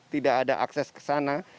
tidak ada akses ke sana